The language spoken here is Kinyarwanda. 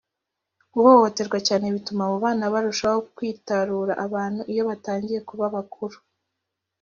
guhohoterwa cyane bituma abo bana barushaho kwitarura abantu iyo batangiye kuba bakuru